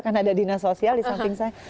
karena ada dinas sosial di samping saya